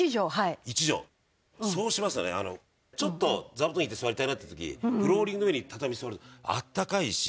そうしますとねちょっと座布団を敷いて座りたいなって時フローリングの上に畳に座るとあったかいし。